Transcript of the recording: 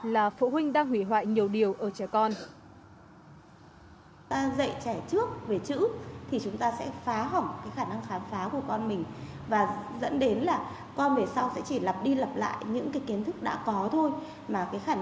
là phụ huynh đang hủy hoại nhiều điểm